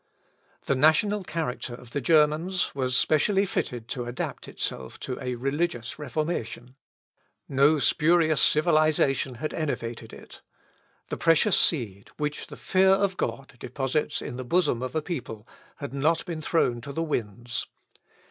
The national character of the Germans was specially fitted to adapt itself to a religious Reformation. No spurious civilisation had enervated it. The precious seed, which the fear of God deposits in the bosom of a people, had not been thrown to the winds.